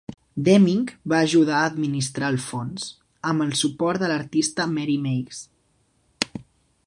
Deming va ajudar a administrar el Fons, amb el suport de l'artista Mary Meigs.